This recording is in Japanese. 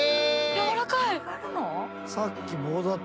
やわらかい！